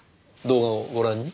動画をご覧に？